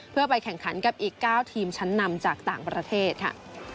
เพื่อไปแข่งขันกับอีก๙ทีมชั้นนำจากต่างประเทศค่ะ